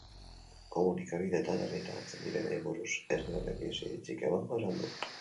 Komunikabideetan argitaratzen direnei buruz ez duela inoiz iritzirik emango esan du.